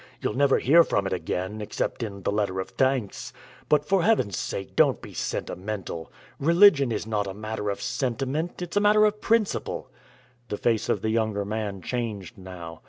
You'll never hear from it again, except in the letter of thanks. But for Heaven's sake don't be sentimental. Religion is not a matter of sentiment; it's a matter of principle." The face of the younger man changed now.